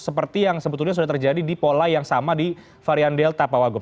seperti yang sebetulnya sudah terjadi di pola yang sama di varian delta pak wagub